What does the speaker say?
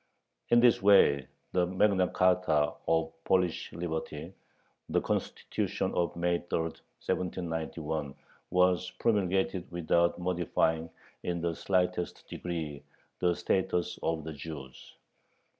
In this way the magna charta of Polish liberty the Constitution of May 3, 1791 was promulgated without modifying in the slightest degree the status of the Jews.